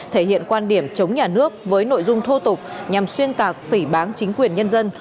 thể hiện quan điểm chống nhà nước với nội dung thô tục nhằm xuyên tạc phỉ bán chính quyền nhân dân